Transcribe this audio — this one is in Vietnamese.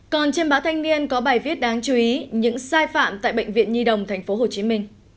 còn trên báo thanh niên có bài viết đáng chú ý những sai phạm tại bệnh viện nhi đồng tp hcm